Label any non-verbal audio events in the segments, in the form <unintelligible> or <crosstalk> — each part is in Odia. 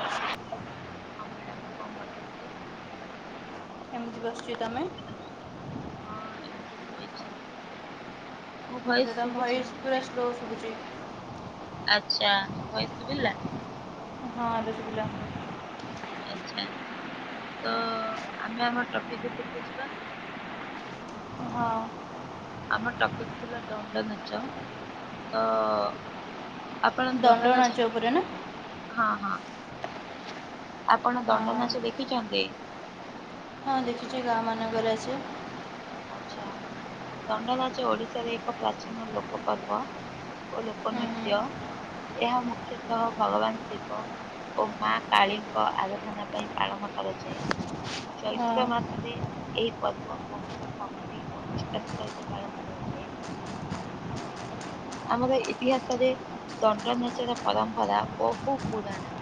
ହାଲୋ ହଁ ମ୍ୟାଡ଼ାମ କଣ କରୁଛନ୍ତି? ଏମିତି ବସିଛ ତମେ? ହଁ ଏମତି ଶୋଇଛି ମୋ ଏବେ ଭଏସ୍ ତମ ଶୁଭୁଛି ଭଏସ୍ ନା। ପୁରା ସ୍ଲୋ ଶୁଭୁଛି। ଆଛା ଭଏସ୍ ଶୁଭିଲା। ହଁ ଏବେ ଶୁଭିଲା ଆଚ୍ଛା ତ ଆମେ ଆମ ଟ୍ରପିକ୍ ଉପରକୁ ଯିବା। ହଁ। ଆମ ଟପିକ୍ ଥିଲା ଦଣ୍ଡ ନାଚ ତ। ଆପଣ ଦଣ୍ଡ ଦଣ୍ଡନାଚ ନାଚ ଉପରେ ନା ଦେଖିଛନ୍ତି। ହଁ ହଁ ଆପଣ ହଁ ଦଣ୍ଡନାଚ ଦେଖିଛନ୍ତି। ହଁ ଦେଖୁଛି ଗାଁ ମାନଙ୍କରେ ଆସିବେ। ଆଚ୍ଛା ଦଣ୍ଡନାଚ ଓଡିଶାରେ ଏକ ପ୍ରାଚୀନ ଲୋକ ପର୍ବ। ଓ ଲୋକ ହୁଁ ହୁଁ ନୃତ୍ୟ ଏହା ମୁଖ୍ୟତଃ ଭଗବାନ୍ ଶିବ। ଓ ମା କାଳୀଙ୍କ ଆରାଧନା ପାଇଁ ପାଳନ କରାଯାଏ। ହଁ ଚଇତ୍ର ମାତ୍ରାରେ ଏହି ପର୍ବ ବହୁତ୍ ଭକ୍ତି ଓ ନିଷ୍ଠାତା ସହିତ ପାଳନ କରାଯାଏ। ଆମର ଇତିହାସରେ ଦଣ୍ଡ ନାଚର ପରମ୍ପରା ବହୁ ପୁରାଣା।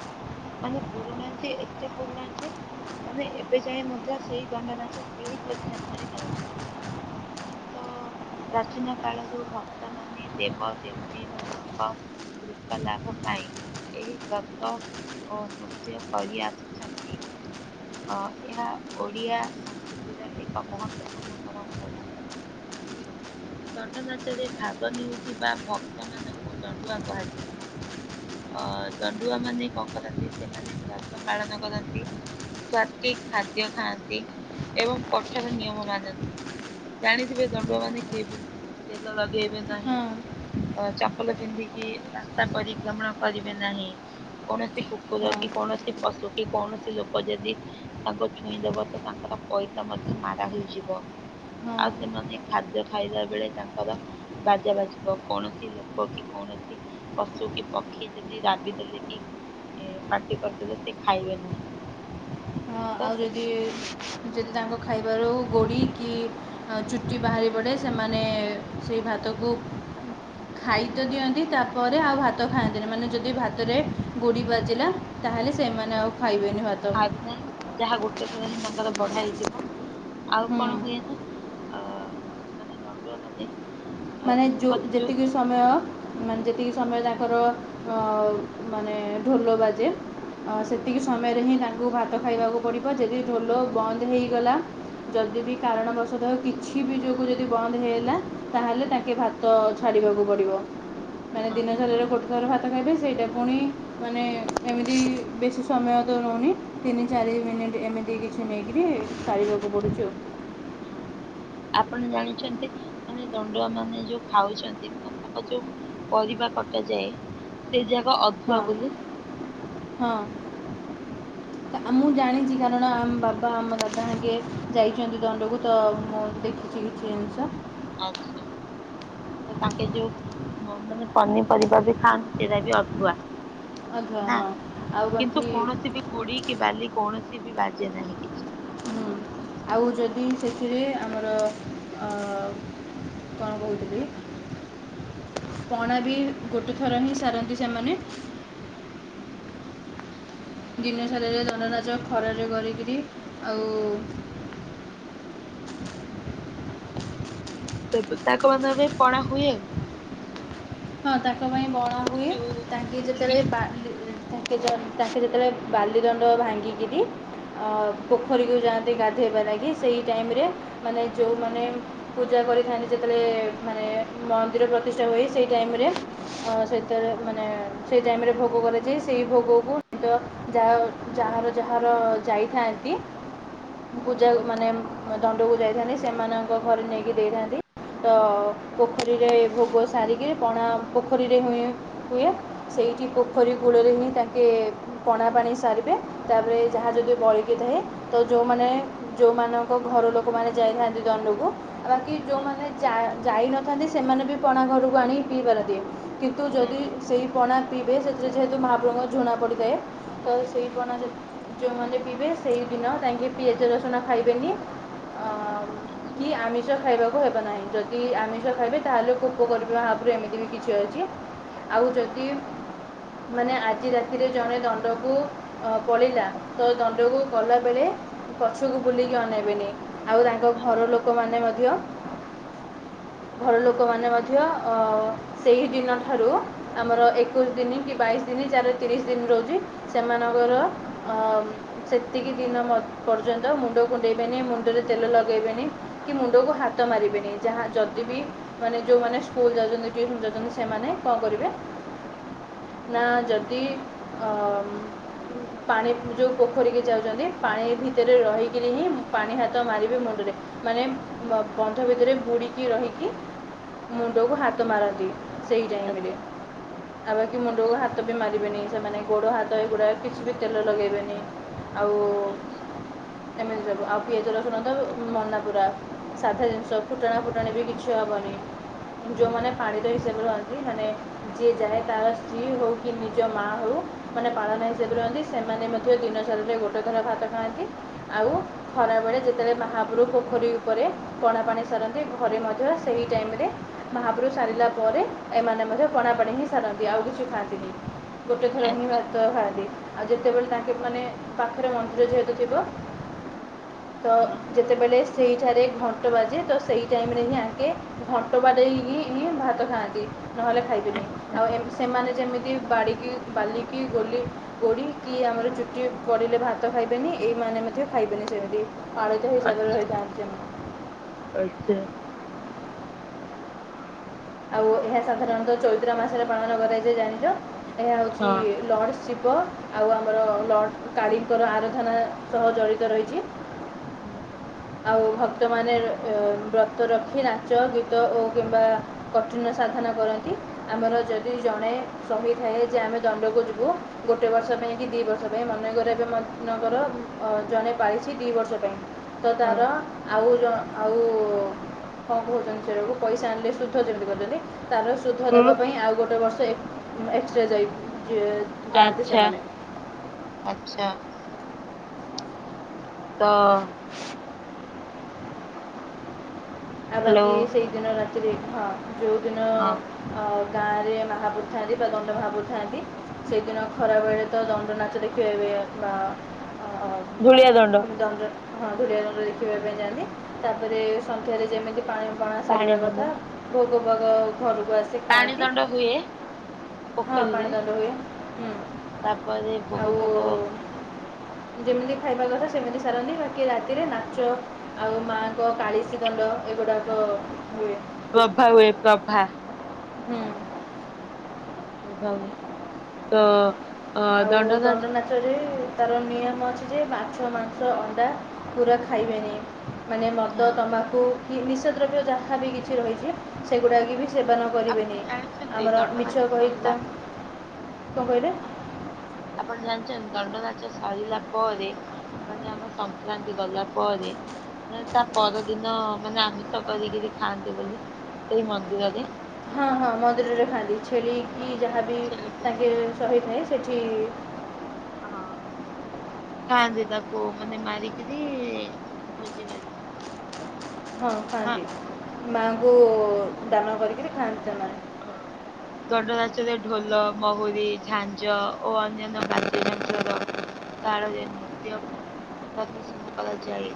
ମାନେ ପୁରୁଣା ଯେ ଏତେ ପୁରୁଣା ଯେ ମାନେ ଏବେ ଯାଏ ମଧ୍ୟ ସେଇ ଦଣ୍ଡନାାଶ ସେହି ପରି ଢାଞ୍ଚାରେ କରାଯାଏ। ତ ପ୍ରାଚୀନ କାଳରୁ ଭକ୍ତ ମାନେ ଦେବ ଦେବୀ ମାନଙ୍କ। କୃପା ଲାଭ ପାଇଁ ଏହି ବ୍ରତ ଓ ନୃତ୍ୟ କରି ଆସୁଛନ୍ତି। ଅ ଏହା ଓଡ଼ିଆ ସଂସ୍କୃତିର ଏକ ମହତ୍ତପୂର୍ଣ୍ଣ ପରମ୍ପରା। ଦଣ୍ଡ ନାଚରେ ଭାଗ ନେଉଥିବା ଭକ୍ତମାନଙ୍କୁ ଦଣ୍ଡୁଆ କୁହାଯାଏ। ଅ ଦଣ୍ଡୁଆ ମାନେ କଣ କରନ୍ତି, ସେମାନେ ବ୍ରତ ପାଳନ କରନ୍ତି। ସ୍ଵାତି ଖାଦ୍ୟ ଖାଆନ୍ତି ଏବଂ କଠର ନିୟମ ମାନନ୍ତି। ଜାଣିଥିବେ ଦଣ୍ଡୁଆ ମାନ କେବେ ତେଲ ଲଗେଇବେ ନାହିଁ। ହଁ ଚପଲ ପିନ୍ଧିକି ରାସ୍ତା ପରିକ୍ରମଣ କରିବେ ନାହିଁ। କୌଣସି କୁକୁର ହଁ କି କୌଣସି ପଶୁ କି କୌଣସି ଲୋକ ଯଦି ତାଙ୍କୁ ଛୁଇଁଦବ ତ ତାଙ୍କର ପଇସ ମଧ୍ୟ ମାରା ହେଇଯିବ ହଁ ଆଉ ସେମାନେ ଖାଦ୍ୟ ଖାଦ୍ୟ ଖାଇଲା ବେଳେ ତାଙ୍କର ବାଜା ବାଜିବ କୌଣସି ଲୋକ କି କୌଣସି ପଶୁ କି ପକ୍ଷୀ ଯଦି ରାବିଦଲେ କି ଏ ପାଟି କରିଦେଲେ ସେ ଖାଇବେ ନାହିଁ। ହଁ ତ ଆଉ ଯଦି ସେଥିପାଇଁ ଯଦି ତାଙ୍କ ଖାଇବାରୁ ଗୋଡ଼ି କି। ଆଉ ଚୁଟି ବାହାରି ପଡ଼େ ସେମାନେ ସେଇ ଭାତକୁ ଖାଇ ତ ଦିଅନ୍ତି। ତାପରେ ଆଉ ଭାତ ଖାଆନ୍ତିନି, ମାନେ ଯଦି ଭାତରେ ଗୋଡ଼ି ବାଜିଲା, ତାହେଲେ ସେମାନେ ଆଉ ଖାଇବେନି ଭାତ ଖାଇବି ଯାହା ଗୋଟେ ଥର ହିଁ ତାଙ୍କର ବଢା ହେଇଥିବ, ଆଉ ହୁଁ କଣ ହୁଏ ନା ଅ ମାନେ ଦଣ୍ଡୁଆ ମାନେ ମାନେ ଯେଉଁ ଗତ ଯୋଉ ଯେତିକି ସମୟ, ମାନେ ଯେତିକି ସମୟ ତାଙ୍କର ମାନେ ଢୋଲ ବାଜେ, ସେତିକି ସମୟରେ ହିଁ ତାଙ୍କୁ ଭାତ ଖାଇବାକୁ ପଡ଼ିବ, ଯଦି ଢୋଲ ବନ୍ଦ ହେଇଗଲା ଯଦି ବି କାରଣବଶତଃଉ କିଛି ବି ଯୋଗୁ ଯଦି ବନ୍ଦ ହେଇଗଲା ତା'ହେଲେ ତାଙ୍କେ ଭାତ ଛାଡ଼ିବାକୁ ପଡ଼ିବ, ମାନେ ହଁ ଦିନସାରାରେ ଗୋଟେ ଘର ଭାତ ଖାଇବେ, ସେଇଟା ପୁଣି ମାନେ ଏମିତି ବେଶୀ ସମୟ ତ ରହୁନି ତିନି ଚାରି ମିନିଟ୍ ଏମିତି କିଛି ନେଇକିରି ସାରିବାକୁ ପଡ଼ୁଛି ଆଉ ହଁ ଅଁ ଆପଣ ଜାଣିଛନ୍ତି ମାନେ ଦଣ୍ଡୁଆ ମାନେ ଯୋଉ ଖାଉଛନ୍ତି ତାଙ୍କ ଯୋଉ ପରିବା କଟାଯାଏ ସେ ଯାକ ହଁ ଅଧୁଆ ବୋଲି ହଁ ତ ମୁଁ ଜାଣିଛି କାରଣ ଆମ ବାବା ଆମ ଦାଦା ଆକେ ଯାଇଛନ୍ତି ଦଣ୍ଡକୁ ତ ମୁଁ ଦେଖିଛି <unintelligible> ଆଛା ତ ତାଙ୍କେ ଯୋଉ ମାନେ ପନିପରିବା ବି ଖାଆନ୍ତି ସେଇଟା ବି ଅଧୁଆ ଆଚ୍ଛା ନା ହଁ ଆଉ କିନ୍ତୁ ବାକି କୌଣସି ବି ଗୋଡି କି ବାଲି କୌଣସି ବି ବାଜେ ନାହିଁ କିଛି ଆଉ ଯଦି ସେଥିରେ ଆମର କଣ କହୁଥିଲି? ପଣା ବି ଗୋଟେ ଥର ହିଁ ସାରନ୍ତି ସେମାନେ ହୁଁ ଦିନସାରରେ ଦଣ୍ଡ ନାଚ ଖରାରେ କରିକରି ଆଉ ତାକୁ ମ ପଣା ହୁଏ ଆଉ ହଁ ତାଙ୍କ ପାଇଁ ବଳା ଏ ହୁଏ ଯୋଉ ତାଙ୍କୁ ଲି ଯେତେବେଳେ ତାଙ୍କେ ଯେତେବେଳେ ବାଲି ଦଣ୍ଡ ଭାଙ୍ଗିକିରି ପୋଖରୀକୁ ଯାଆନ୍ତି ଗାଧୋଇବା ଲାଗି, ସେଇ ଟାଇମରେ ମାନେ ଯୋଉଁମାନେ ପୂଜା କରିଥାନ୍ତି ଯେତେବେଳେ ମାନେ ମନ୍ଦିର ପ୍ରତିଷ୍ଠା ହୁଏ ସେଇ ଟାଇମରେ ସେତେବେଳେ ମାନେ ସେଇ ଟାଇମରେ ଭୋଗ କରାଯାଏ ସେଇ ଭୋଗକୁ ଯା ଯାର ଯାହାର ଯାଇଥାନ୍ତି <inaudible> ପୂଜା ମାନେ ଗକୁ ଯାଇଥାନ୍ତି, ସେମାନଙ୍କ ଘରେ ନେଇକି ଦେଇଥାନ୍ତି, ତ ପୋଖରୀରେ ଭୋଗ ସାରିକି ପଣା ପୋଖରୀରେ ହୁଏ, ହୁଏ ସେଇଠି ପୋଖରୀ ଆଚ୍ଛା କୁଳରେ ହିଁ ତାଙ୍କ କିଏ ପଣା ପାଣି ସାରିବେ ତାପରେ ଯାହା ଯଦି ବଳକି ଥାଏ ତ ଯେଉଁମାନେ, ଯେଉଁମାନଙ୍କ ଘର ଲୋକମାନେ ଯାଇଥାନ୍ତି ଦଣ୍ଡକୁ ବାକି ହଁ ଯୋଉମାନେ ଯା-ଯାଇନଥାନ୍ତି ସେମାନେ ବି ପଣା ଘରକୁ ଆଣିି ପିଇ ପାରନ୍ତି କିନ୍ତୁ ତ ହଁ ଯଦି ହଁ ସେଇ ପଣା ପିଇବେ ସେଥିରେ ଯେହେତୁ ମହାପ୍ରଭୁଙ୍କ ଝୁଣା ପଡ଼ିଥାଏ, ତ ସେଇ ପଣା ଯେ ଯୋଉମାନେ ପିିଇବେ, ସେଇଦିନ ଯାଇଁକି ପିଆଜ ରସୁଣ ଖାଇବେନି। <inaudible> କି ଆମିଷ ଖାଇବାକୁ ହେବ ନାହିଁ, ଯଦି ଆମିଷ ଖାଇବେ ତାହେଲେ କୋପ କରିବେ ମହ ରୁ ଏମିତି ବି କିଛି ଅଛି ଆଉ ଯଦି ମାନେ ଆଜି ରାତିରେ ଜଣେ ଦଣ୍ଡକୁ ଅ ପଳେଇଲା ତ ଦଣ୍ଡକୁ ଗଲା ବେଳେ ପଛକୁ ବୁଲିକି ଅନେଇବେନି। ଆଉ ତାଙ୍କ ଘର ଆଚ୍ଛା ଲୋକ ମାନେ ମଧ୍ୟ, ଘର ଲୋକ ମାନ ମଧ୍ୟ <unintelligible> ସେଇ ଦିନ ଠାରୁ ଆମର ଏକୋଇଶି ଦିନି କି ବାଇଶି ଦିନି ଯାର ତିରିଶ ଦିନି ରହୁଛି- ସେମାନଙ୍କର ଅ ସେତିକି ଦିନ ପର୍ଯ୍ୟନ୍ତ ମୁଣ୍ଡ କୁଣ୍ଡେଇବେନି ମୁଣ୍ଡରେ ତେଲ ଲଗେଇବେନି କି ମୁଣ୍ଡକୁ ହାତ ମାରିବେନି ଯାହା ଯଦି ବି ମାନେ ଯୋଉମାନେ ସ୍କୁଲ୍ ଯାଉଛନ୍ତି ଟିଉସନ୍ ଯାଉଛନ୍ତି ସେମାନେ କଣ କରିବେ ନା ଯଦି ଅ ପାଣି ଯୋଉ ପୋଖରୀକୁ ଯାଉଛନ୍ତି ପାଣି ଭିତରେ ରହିକିରି ହିଁ ପାଣି ହାତ ମାରିବେ ମୁଣ୍ଡରେ ମାନେ ବନ୍ଧ ଭିତରେ ବୁଡିକି ରହିକି ମୁଣ୍ଡକୁ ହାତ ମାରନ୍ତି ସେଇ ଟାଇମରେ ଆଚ୍ଛା ଆମେ ବି ମୁଣ୍ଡକୁ ଆଚ୍ଛା ହାତ- ବି ମାରିବେନି ସେମାନେ ଗୋଡ଼ ହାତ ଏଗୁଡ଼ାକ କିଛି ବି ତେଲ ଲଗେଇବେନି ଆଉ ଆଚ୍ଛା ଏମିତି ସବୁ ଆଉ ପିଆଜ ରସୁଣ ତ ମନା ପୁରା ସାଧା ଜିନିଷ ଫୁଟାଣା ଫୁଟଣ ବି କିଛି ହବନି ହୁଁ ଯୋଉମାନେ ପାଣି ସେ ହିସାବରେ ଆଜି ମାନେ ଯିଏ ଯାଏ ତାର ସ୍ତ୍ରୀ ହଉ କି ନିଜ ମା ହଉ ମାନେ ପାଳନ ହିସାବରେ ରହନ୍ତି ସେମାନେ ମଧ୍ୟ ଦିନ ସାରା ଯାକରେ ଗୋଟେ ଥର ଭାତ ଖାଆନ୍ତି ଆଉ ଖରାବେଳେ ଯେତେବେଳେ ମହାପୁରୁ ପୋଖରୀ ଉପରେ ପଣା ପାଣି ସାରନ୍ତି ଘରେ ମଧ୍ୟ ସେହି ଟାଇମ୍ ରେ ମହାପୁରୁ ସାରିଲା ପରେ ଏମାନେ ମଧ୍ୟ ପଣାପାଣି ହିଁ ସାରନ୍ତି ଆଉ କିଛି ଖାଆନ୍ତିନି ଗୋଟେ ହୁଁ ଥର ହିଁ ଆଚ୍ଛା ଭାତ ଖାଆନ୍ତି ଆଉ ଯେତେବେଳେ ତାଙ୍କେ ମାନେ ପାଖରେ ମନ୍ଦିର ଯେହେତୁ ଥିବ ତ ହଁ ଯେ ସେତେବେଳେ ସେଇଠାରେ ଘଣ୍ଟ ବାଜେ ତ ସେଇ ଟାଇମ୍ ହିଁ ୟାଙ୍କେ ଘଣ୍ଟ ବାଡ଼େଇ କି ହିଁ ଭାତ ଖାଆନ୍ତି, ନହେଲେ ଖାଇବେନି ଆଚ୍ଛା ଆଉ ସେମାନେ ଯେମିତି ବାଡ଼ିକି ବାଲିକି ଗଲି ଗୋଡ଼ିକି ଆମର ଚୁଟି ପଡ଼ିଲେ ଭାତ ଖାଇବେନି ଏଇମାନେ ମଧ୍ୟ ଖାଇବେନି ସେମିତି <unintelligible> ହିସାବରେ ଆଚ୍ଛା ରହିଥାନ୍ତି ସେମିତି ଆଚ୍ଛା ଆଉ ଏହା ସାଧାରଣତଃ ଚୈତ୍ର ମାସରେ ପାଳନ କରାଯାଏ ଜାଣିଚ ଏହା ହେଉଛି ହଁ ଲଡ଼ସ୍ ଶିବ ଆଉ ଆମର ଲଡ଼ସ୍ କାଳୀଙ୍କର ଆରାଧନା ସହ ଜଡ଼ିତ ରହିଛି ଆଉ ଭକ୍ତମାନେ-ଅ- ବ୍ରତ ରଖି ନାଚ ଗୀତ ଓ କିମ୍ବା କଠିନ ସାଧନା କରନ୍ତି ଆମର ଯଦି ଜଣେ କହି ଥାଏ ଯେ ଆମେ ଦଣ୍ଡକୁ ଯିବୁ ଗୋଟେ ବର୍ଷ ପାଇଁ କି ଦି ବର୍ଷ ମନେକର ଏବେ ମନେଙ୍କର ଜଣେ ପାଳିଛି ଦି ବର୍ଷ ପାଇଁ ତ ତାର ହଁ ଆଉ ଜ ଆଉ କଣ କହୁଛନ୍ତି ସେଟାକୁ ପଇସା ଆଣିଲେ ସୁଦ୍ଧ ଯେମିତି କରିଛନ୍ତି ତାର ସୁଦ୍ଧ ହଁ ଦେବା ପାଇଁ ଆଉ ଗୋଟେ ବର୍ଷ ଏକ୍ସ ଏକ୍ସଟ୍ରା ଯାଇ ଯା ଆଚ୍ଛା ଆଛା ତ ଆ ହ୍ୟାଲୋ ବାକି ସେଇ ଦିନ ରାତିରେ ଆ ଯୋଉ ଦିନ ହଁ ଅ ଗାଁ ରେ ମହାପୁରୁ ଥାଆନ୍ତି ବା ଦଣ୍ଡ ମହାପୁରୁ ଥାଆନ୍ତି ସେଇଦିନ ଖରା ବେଳେ ତ ଦଣ୍ଡ ନାଚ ଦେଖିବେ ଏବେ ବା ଧୂଳିଆ ଦଣ୍ଡ ଦଣ୍ଡ ହଁ ଧୂଳିଆ ଦଣ୍ଡ ଦେଖିବା ପାଇଁ ଯାଆନ୍ତି ତାପରେ ସନ୍ଧ୍ୟାରେ ଯେମିତି ପାଣି ପଣା ପାଣି ସାରିବା ଦଣ୍ଡ। କଥା ଭୋଗ ଭାଗ ଘରକୁ ଆସି ପାଣି ଖାଆନ୍ତି ଦଣ୍ଡ ହୁଏ ହଁ ପୋଖରୀରେ ପାଣି ଦଣ୍ଡ ହୁଏ ତାପରେ ଭୋଗ ଆଉ ଫୋଗ ଯେମିତି ଖାଇବା କଥା ସେମିତି ସାରନ୍ତି ବାକି ରାତିରେ ନାଚ ଆଉ ମାଙ୍କ କାଳିସି ଦଣ୍ଡ ଏଗୁଡ଼ାକ ହୁଏ। ପ୍ରଭା ହୁଏ ପ୍ରଭା। ହୁଁ ଉଭା ହୁଏ ତ ଅ ଆଉ ଦଣ୍ଡ ନାଚ ଦଣ୍ଡନାଚ। ରେ ତାର ନିୟମ ଅଛି ଯେ ମାଛ, ମାଂସ, ଅଣ୍ଡା ପୁରା ଖାଇବେନି। ମାନେ ମଦ ହଁ ତମ୍ମାଖୁ କି ନିଶା ଦ୍ରବ୍ୟ ଯାହାବି କିଛି ରହିଛି ସେଗୁଡ଼ାକ ବି ସେବନ ଆପଣ କରିବେନି ଜାଣିଛନ୍ତି ଆମର ଦଣ୍ଡ ମିଛ ନାଚ କହିକି ସରିଲା ତ କଣ କହିଲେ? ହଁ ଆପଣ ଜାଣିଛନ୍ତି ଦଣ୍ଡ ନାଚ ସାରିଲା ପରେ ମାନେ ଆମ ସଂକ୍ରାନ୍ତି ଗଲା ପରେ ମ ତା ପରଦିନ ମାନେ ଆମିଷ କରିକିରି ଖାଆନ୍ତି ବୋଲି ସେଇ ମନ୍ଦିରରେ ହଁ ହଁ ମନ୍ଦିରରେ ଖାଆନ୍ତି ଛେଳି କି ଯାହାବି ତାଙ୍କେ ସହି ନାହିଁ ସେଠି ହଁ। ଖାଆନ୍ତି ତାକୁ ମାନେ ମାରିକିରି ଭୋଜି କରିକି ହଁ ନା ଖାଆନ୍ତି ମାଙ୍କୁ ଦାନ କରିକରି ଖାଆନ୍ତି ସେମାନେ। ହଁ। ଦଣ୍ଡନାଞ୍ଚରେ ଢୋଲ ମହୁୁରୀ ଝାଞ୍ଜ ଓ ଅନ୍ୟାନ୍ୟ ବାଦ୍ୟଯନ୍ତ୍ର ର ତାଳରେ ନୃତ୍ୟ ପ୍ରଦର୍ଶନ କରାଯାଏ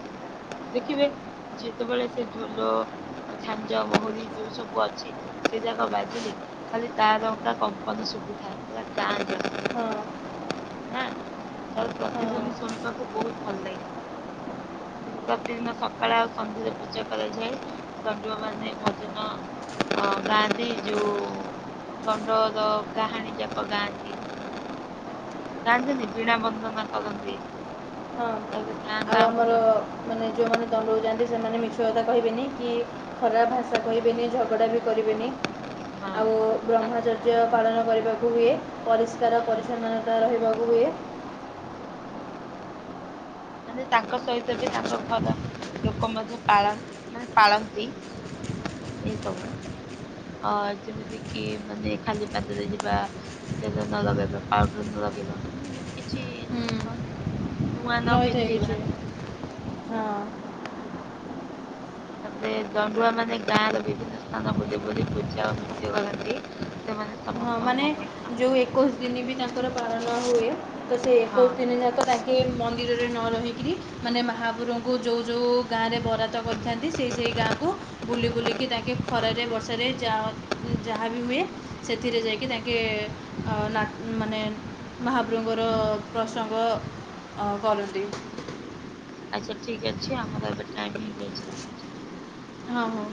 ଦେଖିବେ। ଯେତେବେଳେ ସେ ଝୋଲ ଝାଞ୍ଜ ମହୁରି ଯୋଉ ସବୁ ଅଛି ସେ ଯା ବାଜିଲେ ଖାଲି ତା ଟଙ୍କା କମ୍ପନ ଶୁବୁଥାଏ ପ ହଁ ନା ତାର ହଁ ପ୍ରତିଧ୍ଵନି ଶଣିବାକୁ ବହୁତ୍ ଭଲ ଲାଗେ। ପ୍ରତିଦିନ ସକାଳେ ଆଉ ସନ୍ଧ୍ୟାରେ ପୂଜା କରାଯାଏ। ଦଣ୍ଡୁଆ ମାନେ ଭଜନ ଗାଆ ଆଦି ଯେଉଁ ଗଣ୍ଡଦ ଗାହାଣୀଯାକ ଗାଆନ୍ତି। ଗାନ୍ଧିନୀ ବୀଣା ବନ୍ଦନା କରନ୍ତି। ହଁ ତାପରେ ଗାଁ ଆଉ ଗାଁ ଆମର ବୁଲନ୍ତି ମାନେ ଯେଉଁମାନେ ଦଣ୍ଡକୁ ଯାଆନ୍ତି ସେମାନେ ମିଛ କଥା କହିବେନି କି ଖରାପ ଭାଷା ଭାଶା କହିବେିନି ଝଗଡ଼ା ବି କରିବେନି ହଁ। ଆଉ ବ୍ରହ୍ମଚର୍ଯ୍ୟ ପାଳନ କରିବାକୁ ହୁଏ ପରିଷ୍କାର ହଁ ପରିଚ୍ଛନ୍ନତା ରହିବାକୁ ହୁଏ। ମାନେ ତାଙ୍କ ସହିତ ବି ତାଙ୍କ ଘର ଲୋକ ମଧ୍ୟ ପାଳନ ମାନେ ପାଳନ୍ତି ଏଇସବୁ। ଅ ଯେମିତି କି ମାନେ ଖାଲି ପାଦରେ ଯିବା ତେଲ ନ ଲଗେଇବା ପାଉଡର ନ ଲଗେଇବା ମାନେ ଏମିତି କିଛି ଜିନିଷ ନୂଆ ନ ପିନ୍ଧିବା <unintelligible> ହଁ। ତାପରେ ଜଣ୍ଡୁଆ ମାନେ ଗାଁ ର ବିଭିନ୍ନ ସ୍ଥାନ ବୁଲି ବୁଲି ପୂଜା ଓ ନୃତ୍ୟ କରନ୍ତି ସେମାନେ ହଁ ସମସ୍ତଙ୍କ ମାନେ ମଙ୍ଗଳ ଯେଉଁ କାମନା ଏକୋଇଶ କରନ୍ତି। ଦିନ ବି ତାଙ୍କର ପାଳନ ହୁଏ ତ ସେ ଏକୋଇଶ ହଁ ଦିନ ଯାକ ଲାଗି ଗି ସେ ମନ୍ଦିରରେ ନ ରହିକିରି ମାନେ ମହାପୁରଙ୍କୁ ଯେଉଁ ଯେଉଁ ଗାଁରେ ବରାଦ କରିଥାନ୍ତି ସେଇ ସେଇ ଗାଁକୁ ବୁଲି ବୁଲିକି ତାଙ୍କେ ଖରାରେ ବର୍ଷାରେ ଯାହା ଯାହା ବି ହୁଏ ଏଥିରେ ଯାଇକି ତାଙ୍କେ ନା ମାନେ ମହାପ୍ରଭୁଙ୍କର ପ୍ରସଙ୍ଗ ଅ କରନ୍ତି। ଆଚ୍ଛା ଠିକ ଅଛି ଆମର ଏବେ ଟାଇମ୍ ହେଇଯାଇଛି ରଖୁଛି। ହଁ ହଁ।